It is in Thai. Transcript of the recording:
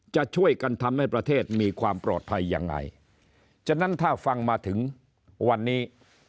จะช่วยกันทำให้ประเทศมีความปลอดภัยยังไงฉะนั้นถ้าฟังมาถึงวันนี้